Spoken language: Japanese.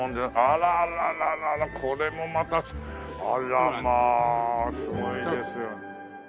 あらららこれもまたあらまあすごいですよ。